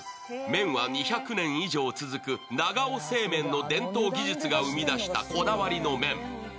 麺は２００年以上続く長尾製麺の伝統技術が生み出したこだわりの麺。